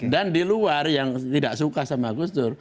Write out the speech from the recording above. dan di luar yang tidak suka sama bustu